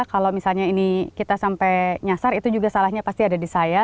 kalau misalnya ini kita sampai nyasar itu juga salahnya pasti ada di saya